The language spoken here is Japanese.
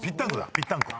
ぴったんこ。